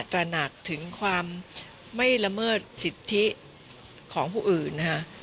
ตระหนักถึงความไม่ละเมิดสิทธิของผู้อื่นนะฮะ